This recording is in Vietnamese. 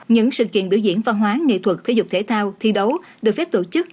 những sự kiện biểu diễn pha hoán nghệ thuật thể dục thể thao thi đấu được phép tổ chức